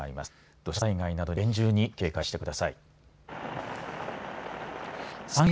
土砂災害などに厳重に警戒してください。